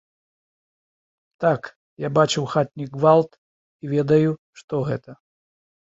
Так, я бачыў хатні гвалт і ведаю, што гэта.